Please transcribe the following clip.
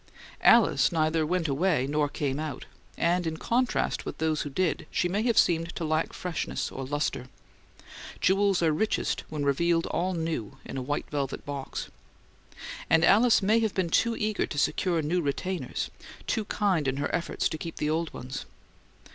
Alice neither went away nor "came out," and, in contrast with those who did, she may have seemed to lack freshness of lustre jewels are richest when revealed all new in a white velvet box. And Alice may have been too eager to secure new retainers, too kind in her efforts to keep the old ones.